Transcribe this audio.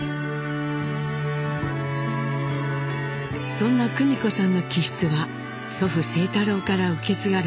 そんな久美子さんの気質は祖父清太郎から受け継がれたもの。